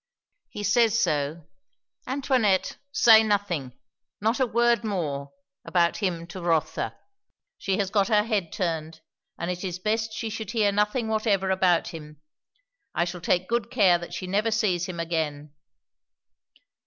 "He says so. Antoinette, say nothing not a word more about him to Rotha. She has got her head turned, and it is best she should hear nothing whatever about him. I shall take good care that she never sees him again."